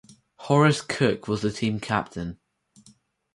Horace Cook was the team captain.